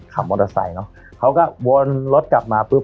มอเตอร์ไซค์เนอะเขาก็วนรถกลับมาปุ๊บ